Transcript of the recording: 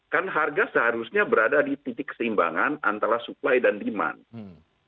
kan harga seharusnya berada di titik keseimbangan antara supply dan demand